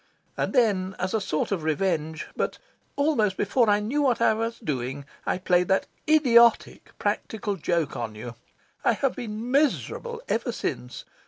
And then, as a sort of revenge, but almost before I knew what I was doing, I played that IDIOTIC practical joke on you. I have been MISERABLE ever since.